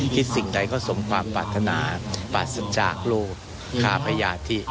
สิ่งใดก็สมความปรารถนาปราศจากโลกฆ่าพญาธิ